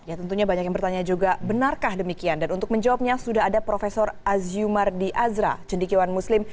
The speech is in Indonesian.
ya tentunya banyak yang bertanya juga benarkah demikian dan untuk menjawabnya sudah ada prof aziumardi azra cendikiwan muslim